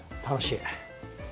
楽しい。